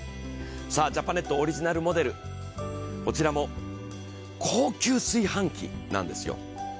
ジャパネットオリジナルモデル、こちらの高級炊飯器なんですよ。